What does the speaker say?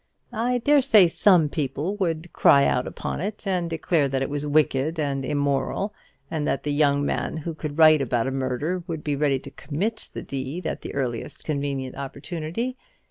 I dare say some people would cry out upon it, and declare that it was wicked and immoral, and that the young man who could write about a murder would be ready to commit the deed at the earliest convenient opportunity.